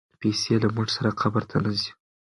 پیسې له موږ سره قبر ته نه ځي.